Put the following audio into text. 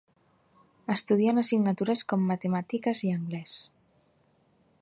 Estudien assignatures com matemàtiques i anglès.